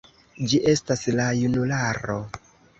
Ĝi estas la junularo.